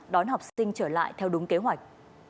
đón học sinh trở lại theo đúng kế hoạch